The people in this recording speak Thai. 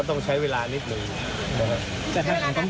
ต้องใช้เวลานิดหนึ่ง